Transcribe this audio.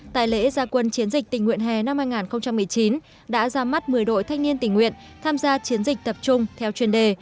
tại lễ gia quân chiến dịch tình nguyện hè năm hai nghìn một mươi chín đã ra mắt một mươi đội thanh niên tình nguyện tham gia chiến dịch tập trung theo chuyên đề